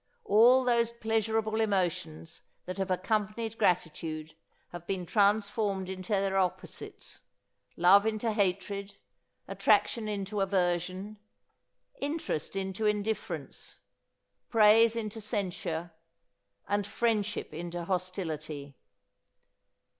All those pleasurable emotions that have accompanied gratitude have been transformed into their opposites: love into hatred, attraction into aversion, interest into indifference, praise into censure, and friendship into hostility.